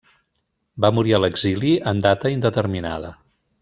Va morir a l'exili en data indeterminada.